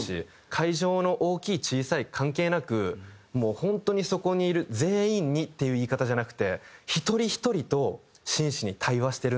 会場の大きい小さい関係なくもう本当にそこにいる全員にっていう言い方じゃなくて１人１人と真摯に対話してるんだなって。